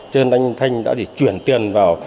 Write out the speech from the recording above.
cho nên anh thanh đã chuyển tiền vào